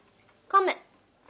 カメ？